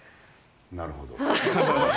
なるほど。